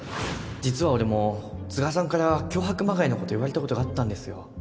実は俺も都賀さんから脅迫まがいのこと言われたことがあったんですよ